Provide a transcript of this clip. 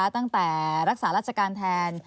ตั้งแต่รักษาราชการแทน